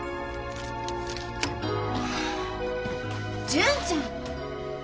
純ちゃん！